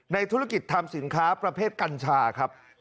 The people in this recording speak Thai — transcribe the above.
ธุรกิจทำสินค้าประเภทกัญชาครับ